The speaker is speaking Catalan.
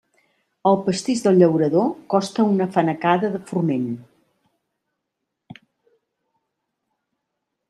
El pastís del llaurador costa una fanecada de forment.